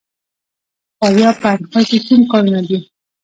د فاریاب په اندخوی کې کوم کانونه دي؟